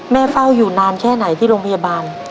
เฝ้าอยู่นานแค่ไหนที่โรงพยาบาล